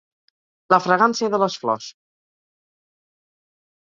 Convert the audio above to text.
La fragància de les flors.